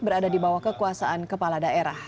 berada di bawah kekuasaan kepala daerah